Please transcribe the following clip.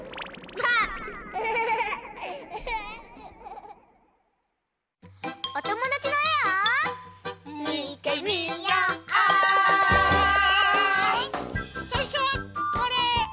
さいしょはこれ。